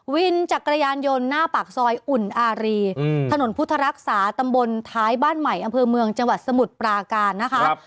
วินจักรยานยนต์หน้าปากซอยอุ่นอารีถนนพุทธรักษาตำบลท้ายบ้านใหม่อำเภอเมืองจังหวัดสมุทรปราการนะคะ